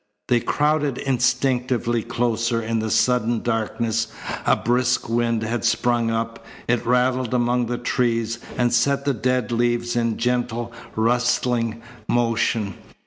They crowded instinctively closer in the sudden darkness. A brisk wind had sprung up. It rattled among the trees, and set the dead leaves in gentle, rustling motion.